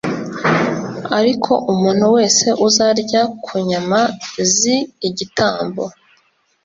Ariko umuntu wese uzarya ku nyama z igitambo